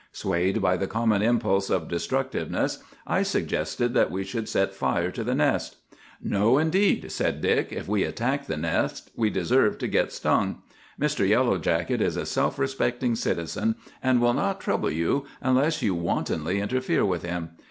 Swayed by the common impulse of destructiveness, I suggested that we should set fire to the nest. "'No, indeed,' said Dick. 'If we attack the nest we deserve to get stung. Mr. Yellow Jacket is a self respecting citizen, and will not trouble you unless you wantonly interfere with him.